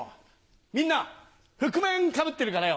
みんな覆面かぶってるからよ